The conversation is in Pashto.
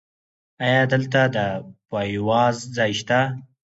ایا دلته د پایواز ځای شته؟